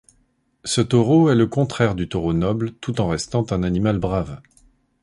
Ce taureau est le contraire du taureau noble tout en restant un animal brave.